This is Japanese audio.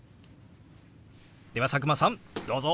では佐久間さんどうぞ！